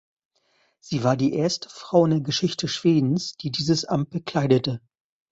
Sie war die erste Frau in der Geschichte Schwedens, die dieses Amt bekleidete.